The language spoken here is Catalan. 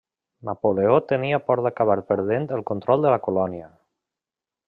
Napoleó tenia por d'acabar perdent el control de la colònia.